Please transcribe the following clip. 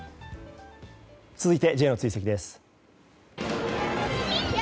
続いて、Ｊの追跡です。